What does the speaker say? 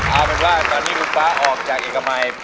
เอาเป็นว่าตอนนี้คุณฟ้าออกจากเอกมัย